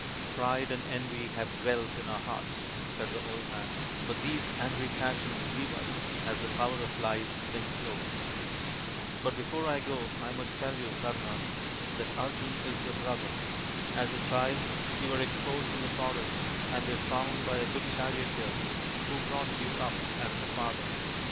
" Pride and envy have dwelt in our hearts/' said the old man, " but these angry passions leave us as the power of life sinks low. But before I go I must tell you, Kama, that Arjun is your brother. As a child you were exposed in the forest and were found by a good charioteer, who brought you up as a father.